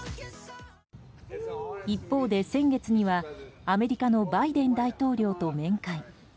一方で先月にはアメリカのバイデン大統領と面会。